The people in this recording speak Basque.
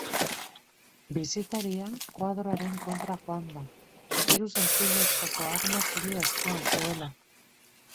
Bisitaria koadroaren kontra joan da, hiru zentimetroko arma zuria eskuan zuela.